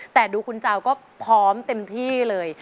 แต่ดูคุณเจ้าก็พร้อมเต็มที่เลย